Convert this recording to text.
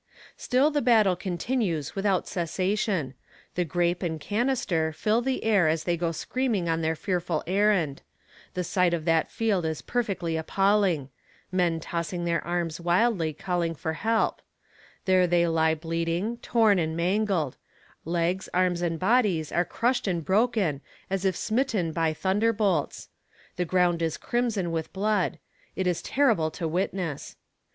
Still the battle continues without cessation; the grape and canister fill the air as they go screaming on their fearful errand; the sight of that field is perfectly appalling; men tossing their arms wildly calling for help; there they lie bleeding, torn and mangled; legs, arms and bodies are crushed and broken as if smitten by thunder bolts; the ground is crimson with blood; it is terrible to witness.